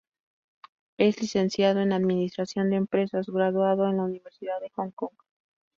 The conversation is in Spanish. Es licenciado en Administración de Empresas graduado en la Universidad de Hong Kong.